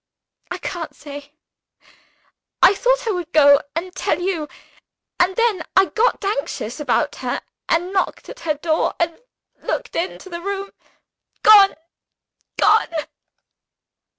"I can't say. I thought I would go and tell you. And then I got anxious about her, and knocked at her door, and looked into the room. Gone! Gone!"